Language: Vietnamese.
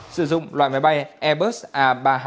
sử dụng loại máy bay airbus a ba trăm hai mươi